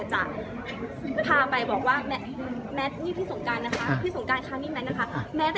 ก็พยายามมาไปบอกว่าคุณที่สงกราญที่มั้ยคะ